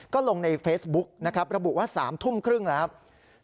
ก็ลงในเฟซบุ๊กระบุว่า๓ทุ่มครึ่งแล้วครับ